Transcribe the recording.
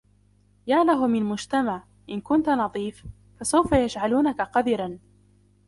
يا له من مجتمع. إن كنت نظيف، فسوف يجعلونك قذرا.